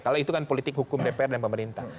kalau itu kan politik hukum dpr dan pemerintah